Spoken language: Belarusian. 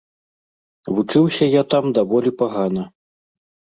Вучыўся я там даволі пагана.